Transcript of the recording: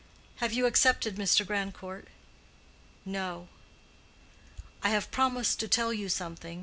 "Have you accepted Mr. Grandcourt?" "No." "I have promised to tell you something.